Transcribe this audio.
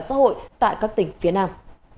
xã hội tại các tỉnh phía nam